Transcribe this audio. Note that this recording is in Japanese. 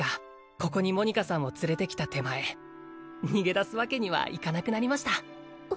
ここにモニカさんを連れて来た手前逃げ出すわけにはいかなくなりました